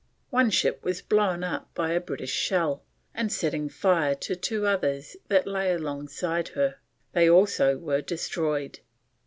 One ship was blown up by a British shell, and setting fire to two others that lay alongside her, they also were destroyed.